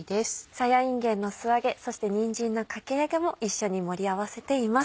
さやいんげんの素揚げそしてにんじんのかき揚げも一緒に盛り合わせています。